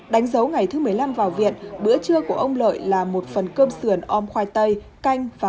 đánh dấu ngày thứ một mươi năm vào viện bữa trưa của ông lợi là một phần cơm sườn om khoai tây canh